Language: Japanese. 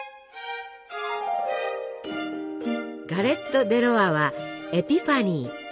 ガレット・デ・ロワは「エピファニー」